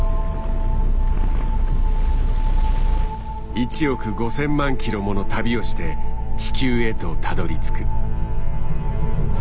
１億５，０００万キロもの旅をして地球へとたどりつく。